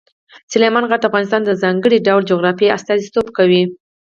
سلیمان غر د افغانستان د ځانګړي ډول جغرافیه استازیتوب کوي.